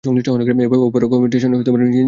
এভাবে অপারগ স্টেশন নিজেকে বিচ্ছিন্ন করে ফেলে।